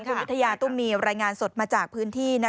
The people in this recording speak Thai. คุณวิทยาตุ้มมีรายงานสดมาจากพื้นที่